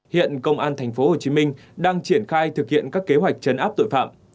hiện công an tp hcm đang triển khai thực hiện các kế hoạch chấn áp tội phạm